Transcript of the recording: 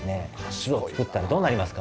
巣をつくったらどうなりますか？